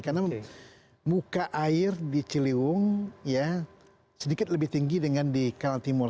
karena muka air di ciliwung ya sedikit lebih tinggi dengan di kanal timur